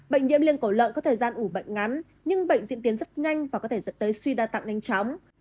bệnh diễn tiến rất nhanh và có thể dẫn tới suy đa tặng nhanh chóng